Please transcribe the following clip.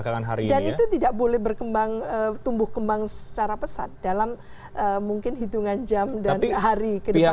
dan itu tidak boleh berkembang tumbuh kembang secara pesat dalam mungkin hitungan jam dan hari ke depan itu